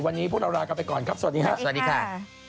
วันนี้พวกเราลากลับไปก่อนครับสวัสดีค่ะ